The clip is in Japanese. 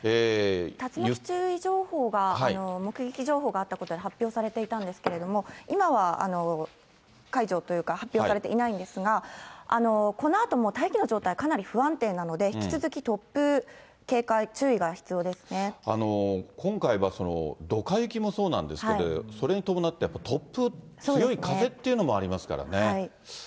竜巻注意情報が、目撃情報があったと発表されていたんですけれども、今は解除というか、発表されていないんですが、このあとも大気の状態、かなり不安定なので、引き続き突風、今回は、どか雪もそうなんですけど、それに伴って突風、強い風っていうのもありますからね。